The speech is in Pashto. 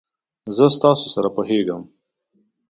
زه ستاسو سره پوهیږم.